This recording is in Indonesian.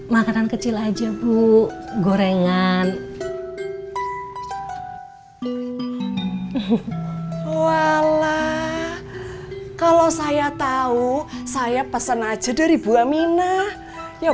makanan kecil aja bu gorengan wala kalau saya tahu saya pesen aja dari buah mina ya